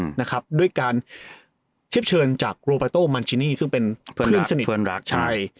อืมนะครับด้วยการเชิญจากซึ่งเป็นเพื่อนสนิทเพื่อนรักใช่